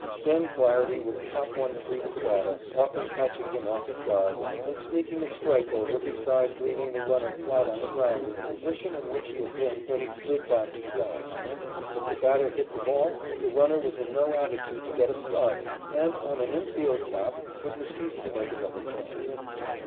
Then Flaherty would pop one through to the batter, often catching him off his guard, and sneaking a strike over besides leaving the runner flat on the ground in the position in which he had been when he slid back to the bag. If the batter hit the ball, the runner was in no attitude to get a start, and, on an infield tap, it was easy to make a double play.